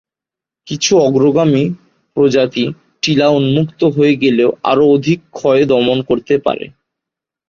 কিছু অগ্রগামী প্রজাতি টিলা উন্মুক্ত হয়ে গেলেও আরও অধিক ক্ষয় দমন করতে পারে।